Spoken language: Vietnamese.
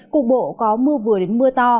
cục bộ có mưa vừa đến mưa to